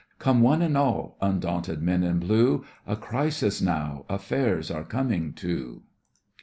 Come one and all, undaunted men in blue, A crisis, now, affairs are coming to!